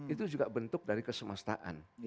itu juga bentuk dari kesemestaan